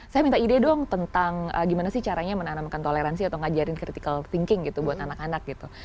saya minta ide dong tentang gimana sih caranya menanamkan toleransi atau ngajarin critical thinking gitu buat anak anak gitu